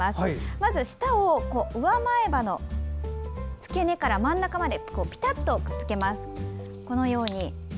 まず、舌を上前歯の付け根から真ん中までぴたっとくっつけます。